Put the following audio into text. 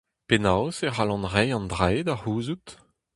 Penaos e c'hallan reiñ an dra-se da c'houzout ?